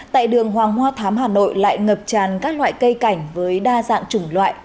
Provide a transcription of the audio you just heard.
tại đường hoàng hoa thám hà nội lại ngập tràn các loại cây cảnh với đa dạng chủng loại